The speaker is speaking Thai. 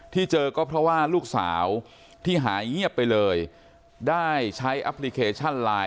ที่เจอก็เพราะว่าลูกสาวที่หายเงียบไปเลยได้ใช้แอปพลิเคชันไลน์